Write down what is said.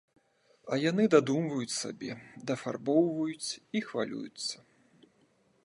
А яны дадумваюць сабе, дафарбоўваюць і хвалююцца.